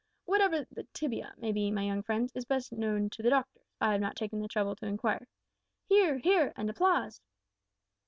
What the tibia may be, my young friends, is best known to the doctors I have not taken the trouble to inquire!" (Hear, hear, and applause.)